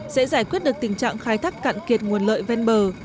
sẽ giải quyết được tình trạng khai thác cạn kiệt nguồn lợi ven bờ